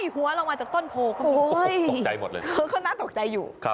หัวละมาจากต้นโภคเขาน่าตกใจอยู่